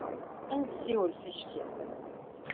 Ad nessiwel ticki.